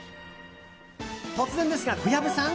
突然ですが、小籔さん！